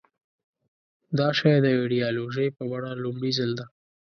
دا شی د ایدیالوژۍ په بڼه لومړي ځل ده.